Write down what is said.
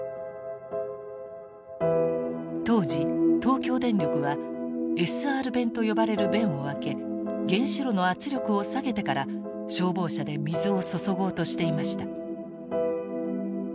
当時東京電力はＳＲ弁と呼ばれる弁を開け原子炉の圧力を下げてから消防車で水を注ごうとしていました。